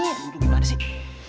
ssst dimana sih